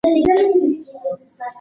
د ماشوم د خوب مهالويش وساتئ.